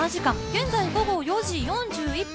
現在午後４時４１分。